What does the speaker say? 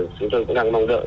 chúng tôi cũng đang mong đợi